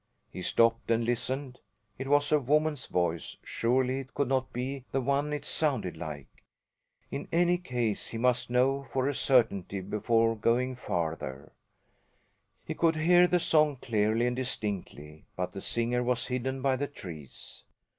He stopped and listened. It was a woman's voice; surely it could not be the one it sounded like! In any case, he must know for a certainty before going farther. He could hear the song clearly and distinctly, but the singer was hidden by the trees.